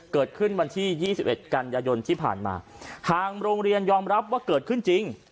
เกิดขึ้นวันที่๒๑กันยายนที่ผ่านมาทางโรงเรียนยอมรับว่าเกิดขึ้นจริง